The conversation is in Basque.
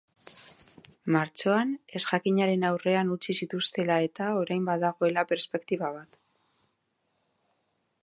Martxoan ezjakinaren aurrean utzi zituztela eta orain badagoela perspektiba bat.